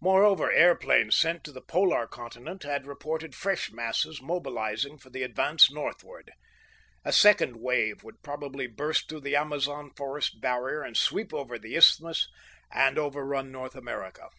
Moreover, airplanes sent to the polar continent had reported fresh masses mobilizing for the advance northward. A second wave would probably burst through the Amazon forest barrier and sweep over the Isthmus and overrun North America.